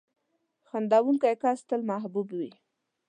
• خندېدونکی کس تل محبوب وي.